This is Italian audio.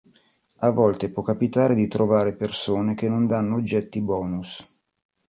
A volte può capitare di trovare persone che non danno oggetti bonus.